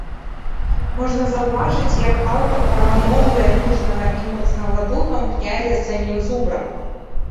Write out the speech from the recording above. Можна заўважыць, як аўтар параўноўвае мужнага і моцнага духам князя з самім зубрам.